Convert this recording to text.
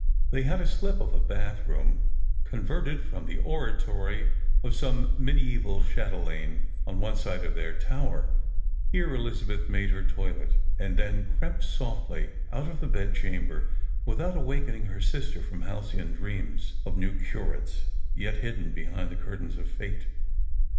They had a slip of a bath room, converted from the oratory of some mediaeval chatelaine, on one side of their tower; here Elizabeth made her toilette, and then crept softly out of the bed chamber without awakening her sister from halcyon dreams of new curates yet hidden behind the curtain of fate.